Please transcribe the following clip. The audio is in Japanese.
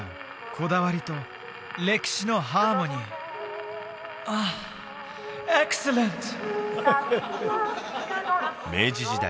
こだわりと歴史のハーモニーああ明治時代